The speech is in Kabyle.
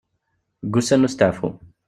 Deg wussan n usetaɛfu.